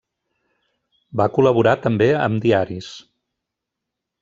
Va col·laborar també amb diaris.